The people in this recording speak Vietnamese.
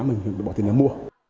mình bỏ tiền để mua